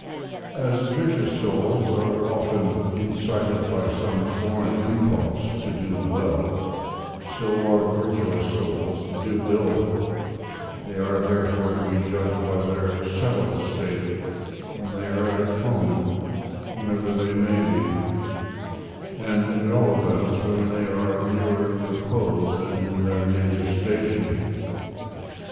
As vicious souls are often incited by some foreign impulse to do well, so are virtuous souls to do ill; they are therefore to be judged by their settled state, when they are at home, whenever that may be; and, at all events, when they are nearer repose, and in their native station.